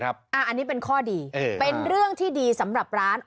อันนี้เป็นข้อดีเป็นเรื่องที่ดีสำหรับร้าน